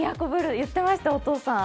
言ってました、お父さん。